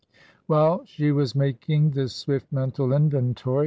While she was making this swift mental inventory.